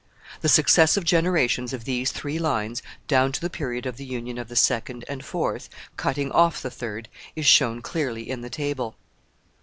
The successive generations of these three lines, down to the period of the union of the second and fourth, cutting off the third, is shown clearly in the table.